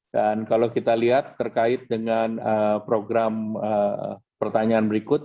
kalau kita lihat terkait dengan program pertanyaan berikut